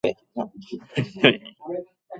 "Shite's Unoriginal Miscellany", written by "A.